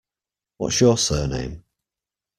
What's your surname?